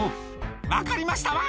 「分かりましたワン！」